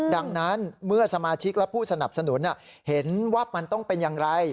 ดังนั้นเมื่อสมาชิกและผู้สนับสนุนเห็นว่ามันต้องเป็นอย่างไร